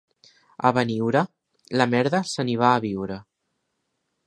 A Beniure, la merda se n'hi va a viure.